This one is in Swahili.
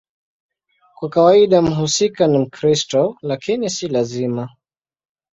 Kwa kawaida mhusika ni Mkristo, lakini si lazima.